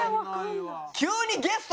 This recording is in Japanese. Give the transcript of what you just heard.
急にゲスト。